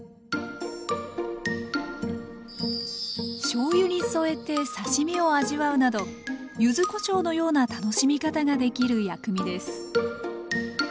しょうゆに添えて刺身を味わうなどゆずこしょうのような楽しみ方ができる薬味です